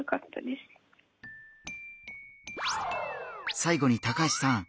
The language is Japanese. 最後に高橋さん。